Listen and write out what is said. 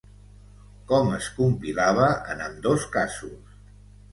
Com es compilava en ambdós casos?